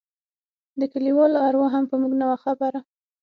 د کليوالو اروا هم په موږ نه وه خبره.